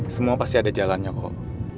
semua pasti ada jalannya kok